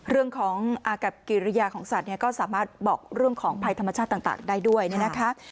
เรื่องของอากับกิริยาของสัตว์เนี่ยก็สามารถบอกเรื่องของภัยธรรมชาติต่างได้ด้วยนะคะ